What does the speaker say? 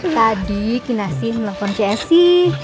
tadi kinasyih nelfon csi